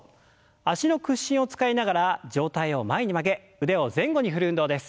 脚の屈伸を使いながら上体を前に曲げ腕を前後に振る運動です。